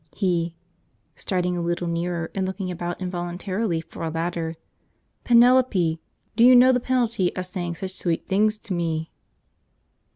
He (striding a little nearer, and looking about involuntarily for a ladder). "Penelope, do you know the penalty of saying such sweet things to me?"